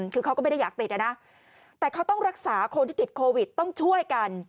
คือเขาก็ไม่ได้อยากติดนะแต่เขาต้องรักษาคนที่ติดโควิดต้องช่วยกัน